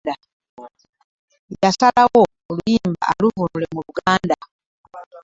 Yaslawo oluyimba aluvunule mu Luganda .